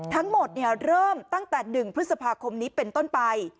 ทั้งหมดเริ่มตั้งแต่๑พฤษภาคมนี้เป็นต้นไป